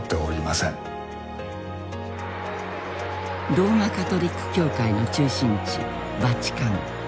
ローマ・カトリック教会の中心地バチカン。